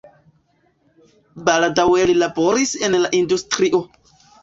Baldaŭe li laboris en la industrio.